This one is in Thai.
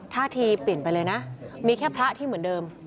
ท่าทีเปลี่ยนไปเลยนะมีแค่พระที่เหมือนเดิม